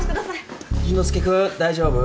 淳之介君大丈夫？